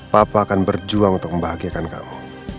papa akan berjuang untuk membahagiakan kamu